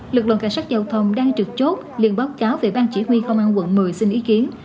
lực lượng cảnh sát giao thông đang trực chốt liên báo cáo về bang chỉ huy công an quận một mươi xin ý kiến